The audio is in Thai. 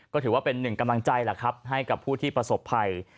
ก็ถือว่าเป็นหนึ่งกำลังใจแหละครับให้กับผู้ที่ประสบภัย